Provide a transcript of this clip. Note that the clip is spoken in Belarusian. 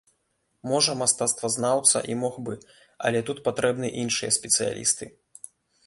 Можа мастацтвазнаўца і мог бы, але тут патрэбны іншыя спецыялісты.